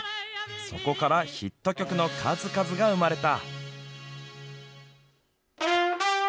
そこからヒット曲の数々が生まれた。